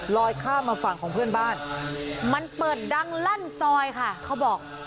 ข้ามมาฝั่งของเพื่อนบ้านมันเปิดดังลั่นซอยค่ะเขาบอก